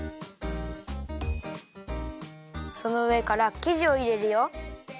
そのうえからきじをいれるよ。